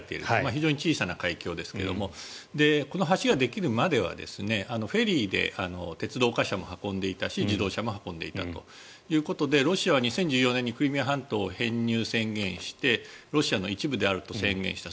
非常に小さな海峡ですがこの橋ができるまではフェリーで鉄道貨車も運んでいたし自動車も運んでいたということでロシアは２０１４年にクリミア半島の編入を宣言してロシアの一部であると宣言した。